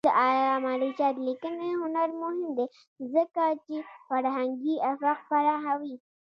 د علامه رشاد لیکنی هنر مهم دی ځکه چې فرهنګي افق پراخوي.